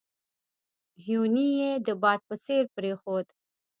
هیوني یې د باد په څېر پرېښود.